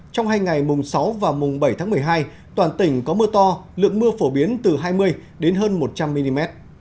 trong hai ngày mùng sáu và mùng bảy tháng một mươi hai toàn tỉnh có mưa to lượng mưa phổ biến từ hai mươi đến hơn một trăm linh mm